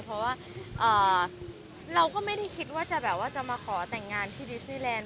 เพราะว่าเราก็ไม่ได้คิดว่าจะแบบว่าจะมาขอแต่งงานที่ดิสรีแลนด